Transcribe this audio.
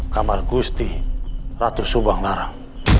kamar gusti ratu subang narang